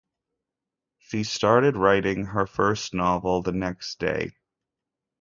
She started writing her first novel the next day.